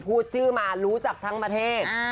พูดชื่อมารู้จักทั้งประเทศ